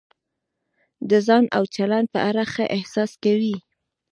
د ځان او چلند په اړه ښه احساس کوئ.